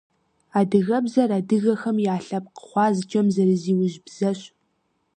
Адыгэбзэр адыгэхэм я лъэпкъ гъуазджэм зэрызиужь бзэщ.